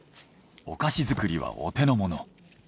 お菓子作りはお手の物。